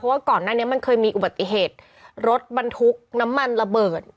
เพราะว่าก่อนหน้านี้เคยมีอุบัติเหตุรถบันทุกข์น้ำมันละเบิด